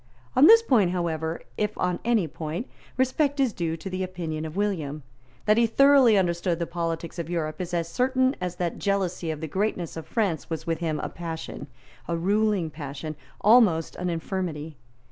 On this point, however, if on any point, respect is due to the opinion of William. That he thoroughly understood the politics of Europe is as certain as that jealousy of the greatness of France was with him a passion, a ruling passion, almost an infirmity.